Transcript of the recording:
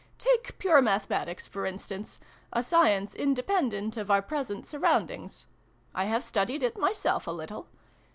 Take Pure Mathematics, for instance a Science independent of our pres ent surroundings. I have studied it, myself, a little.